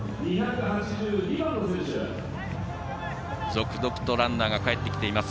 続々とランナーが帰ってきています。